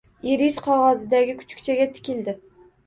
Iris qog‘ozidagi kuchukchaga tikildi.